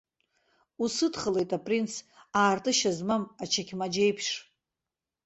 Усыдхалеит, апринц, аартышьа змам ачықь-маџьеиԥш.